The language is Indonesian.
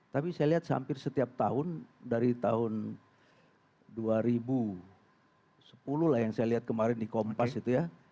tapi saya lihat hampir setiap tahun dari tahun dua ribu sepuluh lah yang saya lihat kemarin di kompas itu ya